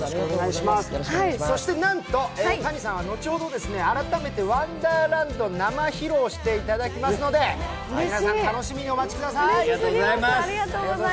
そしてなんとＴａｎｉさんは後ほど改めて「ワンダーランド」を生披露していただきますので楽しみにお待ちください。